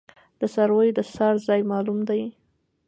د څارویو د څرائ ځای معلوم دی؟